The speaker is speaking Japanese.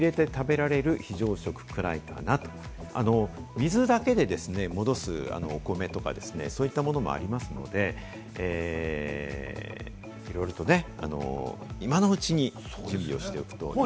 水だけで戻すお米とか、そういったものもありますので、いろいろと今のうちに準備をしておくとね。